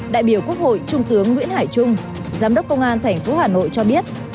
đại biểu quốc hội trung tướng nguyễn hải trung giám đốc công an tp hà nội cho biết